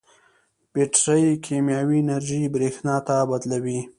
بیټرۍ کیمیاوي انرژي برېښنا ته بدلوي.